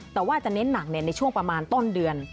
แต่ว่าจะเน้นหนักในช่วงประมาณต้นเดือน